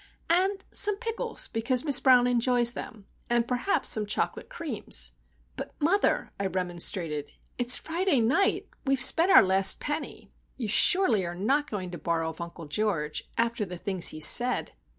"And some pickles, because Miss Brown enjoys them,—and perhaps some chocolate creams!" "But, mother," I remonstrated. "It's Friday night! We have spent our last penny. You surely are not going to borrow of Uncle George,—after the things he's said!"